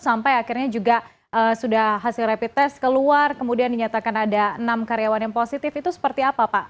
sampai akhirnya juga sudah hasil rapid test keluar kemudian dinyatakan ada enam karyawan yang positif itu seperti apa pak